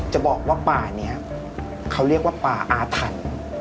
จะบอกว่าป่านี้เขาเรียกว่าป่าอาถรรพ์